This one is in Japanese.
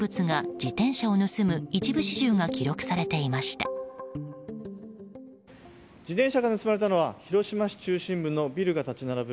自転車が盗まれたのは広島市中心部のビルが立ち並ぶ